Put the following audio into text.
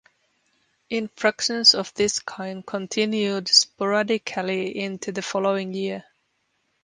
Infractions of this kind continued sporadically into the following year.